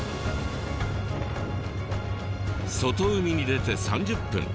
外海に出て３０分。